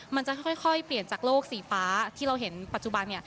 มันจะค่อยเปลี่ยนจากโลกสีฟ้าที่เราเห็นปัจจุบัน